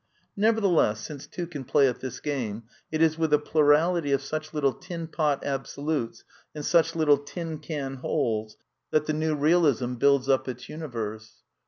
Nevertheless, since two can play at this game, it is with a plurality of such little tin pot absolutes and such little l// tin can wholes that the New Eealism builds up its uni y ^*& 210 A DEFENCE OF IDEALISM verse.